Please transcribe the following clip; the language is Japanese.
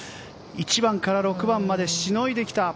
１番から６番までしのいできた。